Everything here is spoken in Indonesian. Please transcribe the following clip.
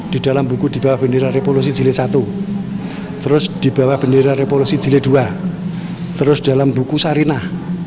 di dalam buku dibawah bendera repolosi jile i terus dibawah bendera repolosi jile ii terus dalam buku sarinah